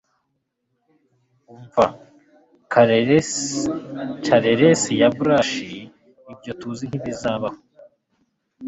umva caresses ya brush ibyo tuzi nkibizabaho